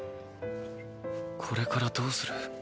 これからどうする？